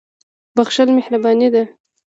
• بخښل مهرباني ده.